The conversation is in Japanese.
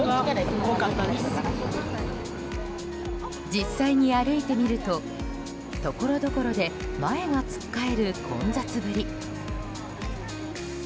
実際に歩いてみるとところどころで前がつっかえる混雑ぶり。